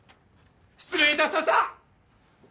失礼致しました！